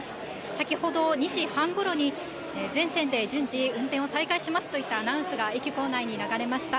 先ほど２時半ごろに、全線で順次、運転を再開しますといったアナウンスが駅構内に流れました。